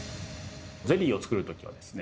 ゼリーを作る時はですね